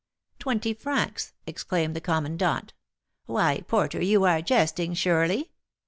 'Twenty francs!' exclaimed the commandant. 'Why, porter, you are jesting, surely!'